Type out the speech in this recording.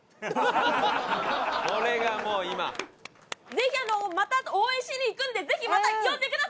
ぜひあのまた応援しに行くんでぜひまた呼んでください！